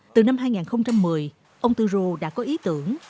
từ năm hai nghìn một mươi ông tư rô đã có ý tưởng